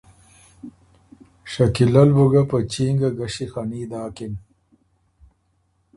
شکیلۀ ل بُو ګه په چینګه ګݭی خني داکِن